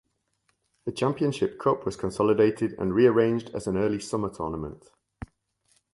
The Championship Cup was consolidated and rearranged as an early Summer tournament.